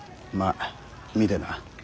まあ見てな。